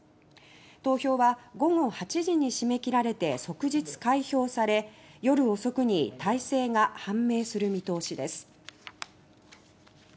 投票は午後８時に締め切られて即日開票され夜遅くに大勢が判明する見通しです。